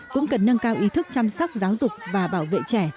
cũng cần nâng cao ý thức chăm sóc giáo dục và bảo vệ trẻ